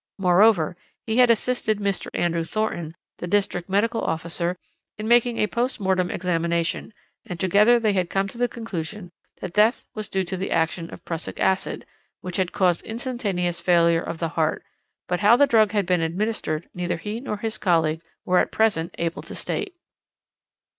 Moreover, he had assisted Mr. Andrew Thornton, the district medical officer, in making a postmortem examination, and together they had come to the conclusion that death was due to the action of prussic acid, which had caused instantaneous failure of the heart, but how the drug had been administered neither he nor his colleague were at present able to state.